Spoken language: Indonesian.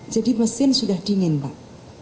jadi mesin sudah dingin pak